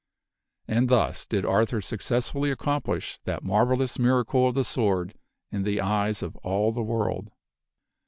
And thus did Arthur suc cessfully accomplish that marvellous miracle of the sword in the eyes of all the world.